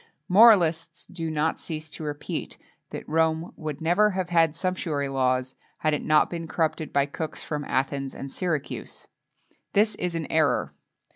Moralists do not cease to repeat that Rome would never have had sumptuary laws had it not been corrupted by cooks from Athens and Syracuse. This is an error.